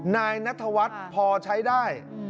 นายนัทวัฒน์พอใช้ได้